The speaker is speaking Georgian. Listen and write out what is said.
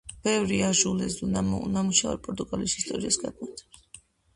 ბევრი აზულეჟუ ნამუშევარი პორტუგალიის ისტორიას გადმოსცემს.